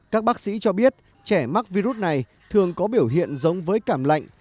các bác sĩ cho biết trẻ mắc virus này thường có biểu hiện giống với cảm lạnh